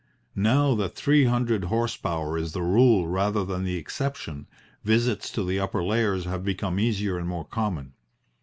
Now that three hundred horse power is the rule rather than the exception, visits to the upper layers have become easier and more common.